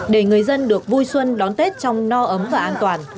để người dân được vui xuân đón tết trong no ấm và an toàn